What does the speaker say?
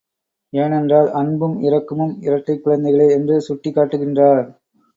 ஏனென்றால், அன்பும், இரக்கமும் இரட்டைக் குழந்தைகளே என்று சுட்டிக் காட்டுகின்றார்.